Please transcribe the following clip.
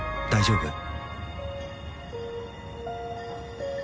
大丈夫？」